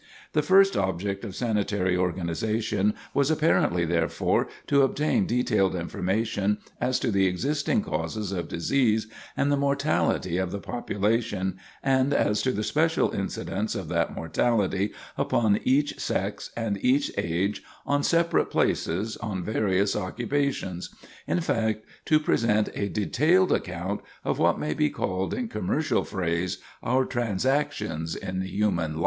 The first object of sanitary organization was apparently, therefore, to obtain detailed information as to the existing causes of disease and the mortality of the population, and as to the special incidence of that mortality upon each sex, and each age, on separate places, on various occupations; in fact, to present a detailed account of what may be called, in commercial phrase, our transactions in human life.